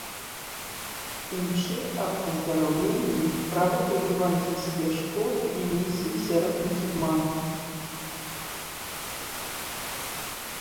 Імшы аб аздараўленні, праводзіў евангельскія школы і місіі сярод мусульманаў.